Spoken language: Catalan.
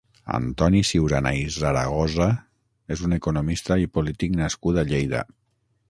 Antoni Siurana i Zaragoza és un economista i polític nascut a Lleida.